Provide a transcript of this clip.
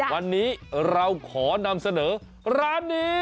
วันนี้เราขอนำเสนอร้านนี้